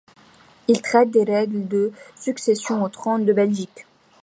Il traite des règles de successions au trône de Belgique.